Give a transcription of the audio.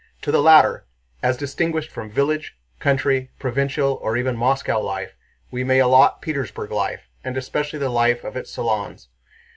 To the latter—as distinguished from village, country, provincial, or even Moscow life—we may allot Petersburg life, and especially the life of its salons.